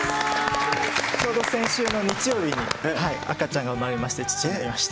ちょうど先週の日曜日に赤ちゃんが産まれまして、父になりました。